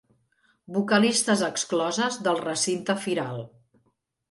Vocalistes excloses del recinte firal.